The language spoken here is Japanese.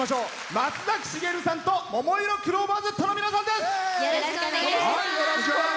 松崎しげるさんとももいろクローバーＺの皆さんです。